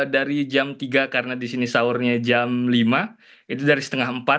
dari jam tiga karena di sini sahurnya jam lima itu dari setengah empat